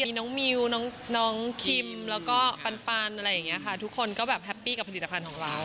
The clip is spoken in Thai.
มีน้องมิวน้องคิมแล้วก็ปันอะไรอย่างนี้ค่ะทุกคนก็แบบแฮปปี้กับผลิตภัณฑ์ของเรา